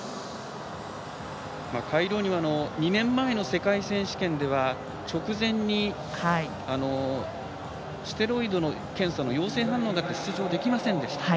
カイローニは２年前の世界選手権では直前にステロイドの検査の陽性反応があって出場できませんでした。